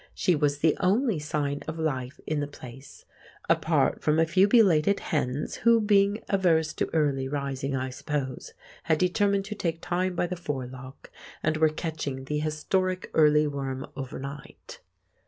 She was the only sign of life in the place (apart from a few belated hens, who, being averse to early rising, I suppose, had determined to take time by the forelock, and were catching the historic early worm overnight).